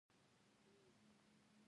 د نورستان باغونه طبیعي دي.